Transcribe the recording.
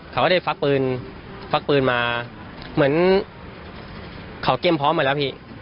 เขาก็ได้ฟักปืนฟักปืนมาเหมือนเขาเตรียมพร้อมมาแล้วพี่